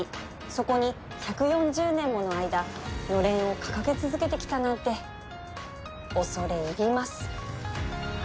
そこに１４０年もの間のれんを掲げ続けてきたなんて恐れ入ります